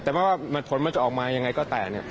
แต่ว่ามันท้นมันจะออกมาอย่างไรก็แต่